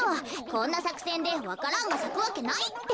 こんなさくせんでわか蘭がさくわけないって。